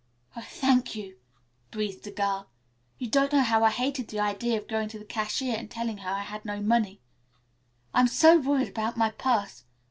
"Oh, thank you," breathed the girl. "You don't know how I hated the idea of going to the cashier and telling her I had no money. I'm so worried about my purse.